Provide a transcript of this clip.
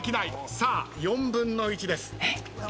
さあ４分の１です。えっ？